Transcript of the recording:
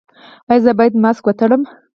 ایا زه باید ماسک وتړم؟